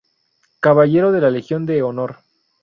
Caballero de la Legión de Honor.